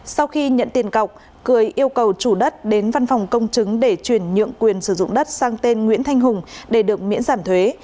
sau khi nhận tiền cọc cười yêu cầu chủ đất đến văn phòng công chứng để chuyển nhượng quyền sử dụng đất sang tên nguyễn thanh hùng để được miễn giảm thuế